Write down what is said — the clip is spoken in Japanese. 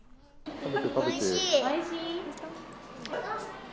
おいしい。